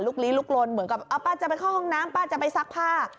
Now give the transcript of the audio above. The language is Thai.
ลีลุกลนเหมือนกับป้าจะไปเข้าห้องน้ำป้าจะไปซักผ้า